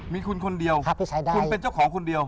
มีคุณคนเดียวคุณเป็นเจ้าของคนเดียว